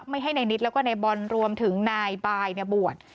ไม่ให้ในนิตแล้วก็ในบรรรดิรวมถึงนายบายในบวช